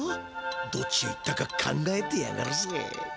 どっちへ行ったか考えてやがるぜ。